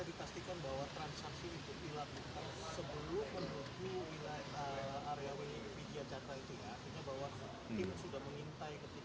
bisa dipastikan bahwa transaksi itu dilakukan sebelum menuju area wpg dan jatra itu ya